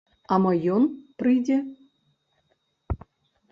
А мо ён прыйдзе?